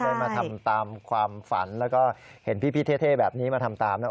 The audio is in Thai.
มาทำตามความฝันแล้วก็เห็นพี่เท่แบบนี้มาทำตามนะ